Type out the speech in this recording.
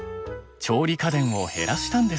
調理家電を減らしたんです。